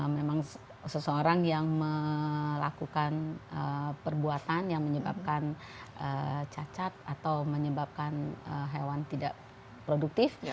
memang seseorang yang melakukan perbuatan yang menyebabkan cacat atau menyebabkan hewan tidak produktif